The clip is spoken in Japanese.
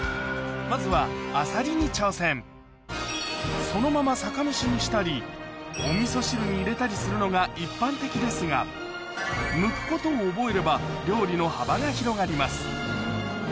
まずはあさりに挑戦そのまま酒蒸しにしたりお味噌汁に入れたりするのが一般的ですがむくことを覚えれば料理の幅が広がります